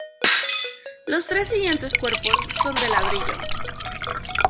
Los tres siguientes cuerpos son de ladrillo.